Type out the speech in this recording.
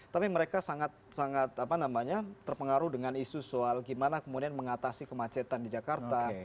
tapi mereka sangat sangat terpengaruh dengan isu soal gimana kemudian mengatasi kemacetan di jakarta